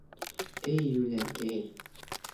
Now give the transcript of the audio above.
Эй, йүләркәй!